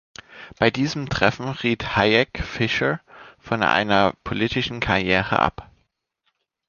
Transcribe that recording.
Bei diesem Treffen riet Hayek Fisher von einer politischen Karriere ab.